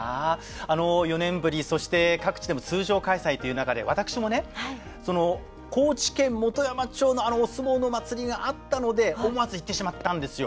あの４年ぶりそして各地でも通常開催という中で私もねその高知県本山町のあのお相撲の祭りがあったので思わず行ってしまったんですよ。